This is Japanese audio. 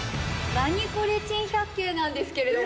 『ナニコレ珍百景』なんですけれども。